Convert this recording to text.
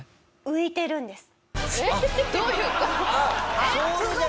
浮いてるんです。